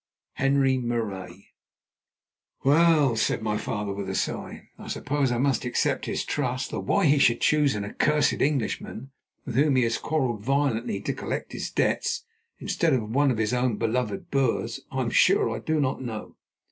"'HENRI MARAIS.'" "Well," said my father with a sigh, "I suppose I must accept his trust, though why he should choose an 'accursed Englishman' with whom he has quarrelled violently to collect his debts instead of one of his own beloved Boers, I am sure I do not know.